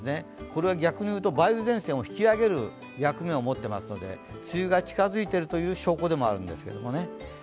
これは逆にいうと梅雨前線を引き上げる役目を持っていますので梅雨が近づいているという証拠でもあるんですけどね。